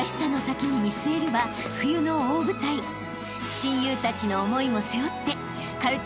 ［親友たちの思いも背負ってかるた